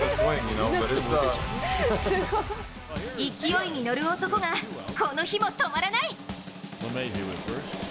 勢いに乗る男がこの日も止まらない！